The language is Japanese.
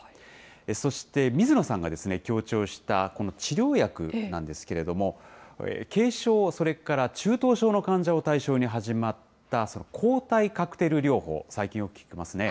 そして水野さんが強調した、この治療薬なんですけれども、軽症、それから中等症の患者を対象に始まった抗体カクテル療法、最近よく聞きますね。